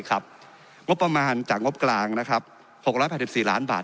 ครับงบประมาณจากงบกลางนะครับหกร้อยแผนกิปสี่ล้านบาท